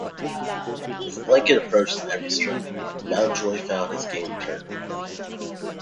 With a blanket approach to every stroke, Mountjoy found his game returning.